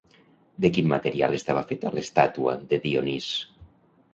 De quin material estava feta l'estàtua de Dionís?